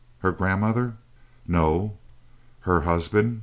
Her grandmother? No. Her husband?